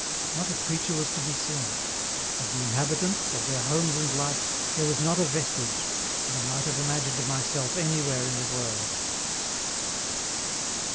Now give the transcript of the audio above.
Not a creature was to be seen; of the inhabitants, of their homes and life, there was not a vestige, and I might have imagined myself anywhere in the world.